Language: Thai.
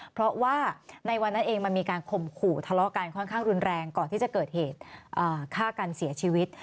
เพราะว่าในวันนั้นเองมันมีการข่มขู่ทะเลาะกันค่อนข้างรุนแรงก่อนที่จะเกิดเหตุฆ่ากันเสียชีวิต